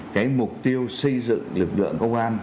cái mục tiêu xây dựng lực lượng công an